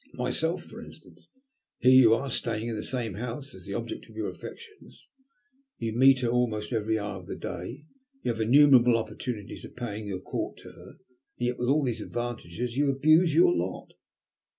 Myself for instance. Here you are staying in the same house as the object of your affections. You meet her almost every hour of the day; you have innumerable opportunities of paying your court to her, and yet with all these advantages you abuse your lot."